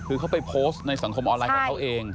คือเขาไปโพสต์ในสังคมออนไลน์ของเขาเอง